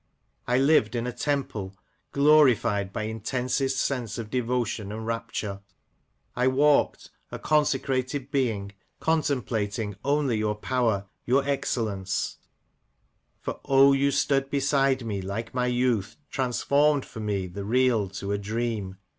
I lived in a temple glorified by intensest sense of devo tion and rapture ; I walked, a consecrated being, contemplating only your power, your excellence ; For O, you stood beside me, like my youth, Transformed for me the real to a dream, THE MASK OF ANARCHY.